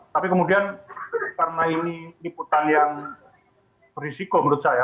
tapi kemudian karena ini liputan yang berisiko menurut saya